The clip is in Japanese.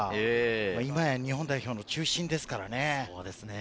今や日本代表の中心ですからね。